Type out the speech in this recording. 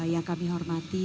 yang kami hormati